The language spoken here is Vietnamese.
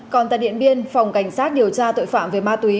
còn tại điện biên phòng cảnh sát điều tra tội phạm về ma túy